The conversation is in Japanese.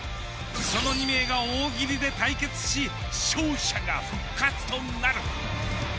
その２名が大喜利で対決し勝者が復活となる。